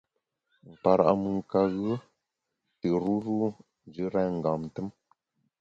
Nkpara’ mùn ka ghue tù ruru njù rèn ngam tùm.